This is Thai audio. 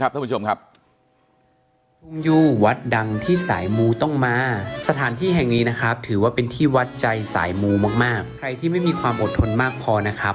ทุกคนเชื่อมั้ยว่าเราใช้เวลาในการรอ